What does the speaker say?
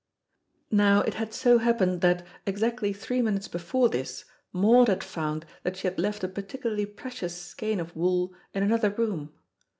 Now it had so happened that, exactly three minutes before this, Maud had found that she had left a particularly precious skein of wool in another room.